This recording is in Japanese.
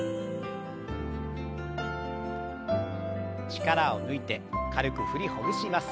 力を抜いて軽く振りほぐします。